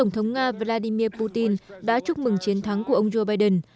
quý vị và vladimir putin đã chúc mừng chiến thắng của ông joe biden